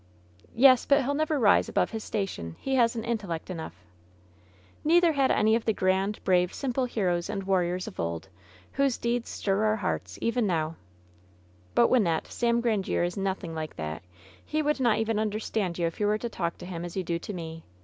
"Yes, but he'll never rise above his station. He hasn't intellect enough." "ISTeither had any of the grand, brave, simple heroes LOVE'S BITTEREST CUP 161 and warriors of old whose deeds stir our hearts, even now/' "But, Wynnette, Sam Grandiere is nothing like that f He would not even understand you if you were to talk to him as you do to me.